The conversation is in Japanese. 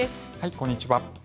こんにちは。